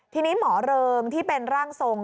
ทีนี้หมอเริงที่เป็นร่างทรง